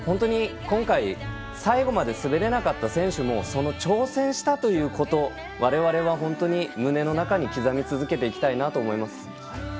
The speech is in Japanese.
今回、最後まで滑れなかった選手も挑戦したということ我々は本当に胸の中に刻み続けていきたいと思います。